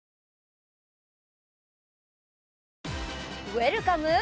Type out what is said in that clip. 「ウェルカム！」